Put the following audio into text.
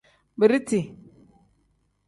Biriti.